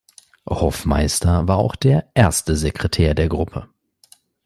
Hoffmeister war auch der erste Sekretär der Gruppe.